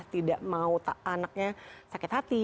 tidak mau anaknya sakit hati